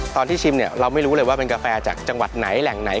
ชิมเนี่ยเราไม่รู้เลยว่าเป็นกาแฟจากจังหวัดไหนแหล่งไหน